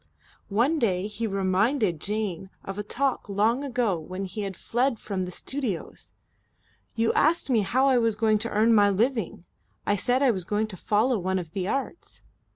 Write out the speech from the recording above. One day he reminded Jane of a talk long ago when he had fled from the studios: "You asked me how I was going to earn my living. I said I was going to follow one of the Arts."